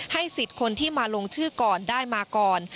สิทธิ์คนที่มาลงชื่อก่อนได้มาก่อน